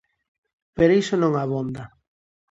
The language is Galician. Pero iso non abonda.